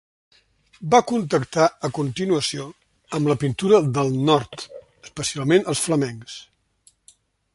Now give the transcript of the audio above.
Va contactar, a continuació, amb la pintura del nord, especialment els flamencs.